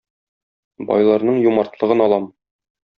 Байларның юмартлыгын алам.